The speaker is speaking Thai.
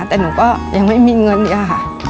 แต่หนูก็ยังไม่มีเงินค่ะ